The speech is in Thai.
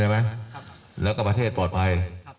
เข้าใจไหมแล้วก็ประเทศปลอดภัย